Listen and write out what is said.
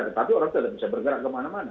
tapi orang itu bisa bergerak kemana mana